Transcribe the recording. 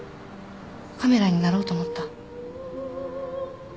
カメラになろうと思った。